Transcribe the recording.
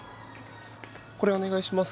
これお願いします。